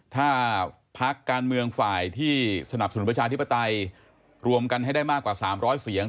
ถ้าพักการเมืองฝ่ายที่สนับสนุนประชาธิปไตยรวมกันให้ได้มากกว่า๓๐๐เสียง